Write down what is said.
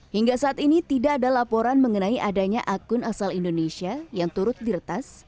hingga saat ini tidak ada laporan mengenai adanya akun asal indonesia yang turut diretas